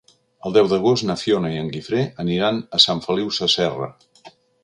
El deu d'agost na Fiona i en Guifré aniran a Sant Feliu Sasserra.